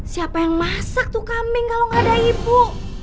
siapa yang masak tuh kambing kalau gak ada ibu